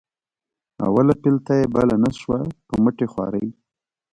اوله پلته یې بله نه شوه په مټې خوارۍ.